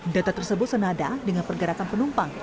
data tersebut senada dengan pergerakan penumpang